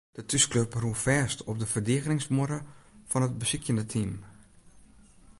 De thúsklup rûn fêst op de ferdigeningsmuorre fan it besykjende team.